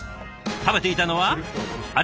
食べていたのはあれ？